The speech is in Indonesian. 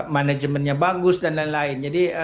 manajemennya bagus dan lain lain jadi